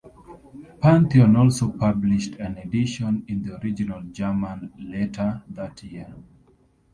Pantheon also published an edition in the original German later that year.